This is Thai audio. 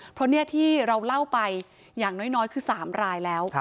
เพราะนี่ที่เราเล่าไปอย่างน้อยคือ๓รายแล้ว